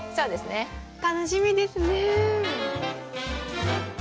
楽しみですね。